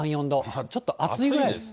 ちょっと暑いぐらいです。